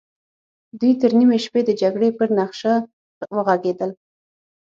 دوی تر نيمې شپې د جګړې پر نخشه وغږېدل.